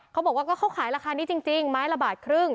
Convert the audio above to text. เขาบอกว่าก็เขาขายราคานี้จริงไม้ละบาทครึ่ง